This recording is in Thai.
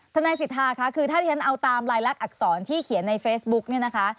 ทนัยศิษฐาค่ะถ้าจะเอาตามรายลากอักษรที่เขียนในเฟสบุ๊คนี่นะคะ